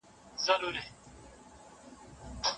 او ملي سرود